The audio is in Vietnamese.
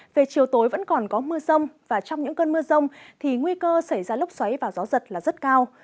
về chiều tối vẫn còn có mưa rông và trong những cơn mưa rông thì nguy cơ xảy ra lốc xoáy và gió giật là rất cao